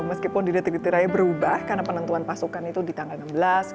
meskipun di detik detik raya berubah karena penentuan pasukan itu di tanggal enam belas